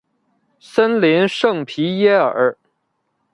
森林圣皮耶尔。